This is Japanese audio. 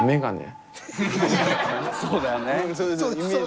そうだよね。